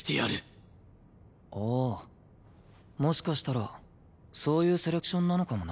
ああーもしかしたらそういうセレクションなのかもな。